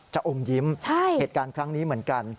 อมยิ้มเหตุการณ์ครั้งนี้เหมือนกัน